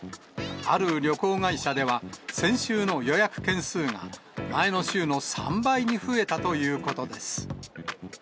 ある旅行会社では、先週の予約件数が前の週の３倍に増えたということです。